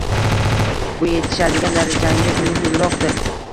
Bu yetishadigan darajangiz muhimroqdir